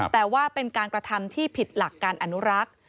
แต่ว่าเป็นการกระทำที่ผิดหลักการอนุรักษ์